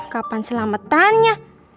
kapan selamat tanya